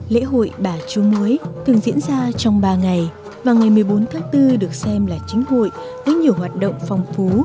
lễ hội bà chúa muối thường diễn ra trong ba ngày và ngày một mươi bốn tháng bốn được xem là chính hội với nhiều hoạt động phong phú